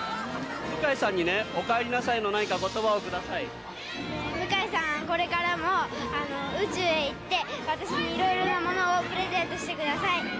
向井さんにね、おかえりなさ向井さん、これからも宇宙へ行って、私にいろいろなものをプレゼントしてください。